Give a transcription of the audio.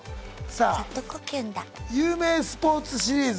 さあ有名スポーツシリーズ。